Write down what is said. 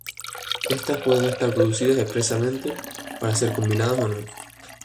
Estas pueden estar producidas expresamente para ser combinadas o no.